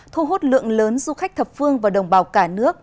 thu hút lượng lớn du khách thập phương và đồng bào cả nước